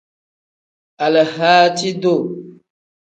Alahaaci-duu.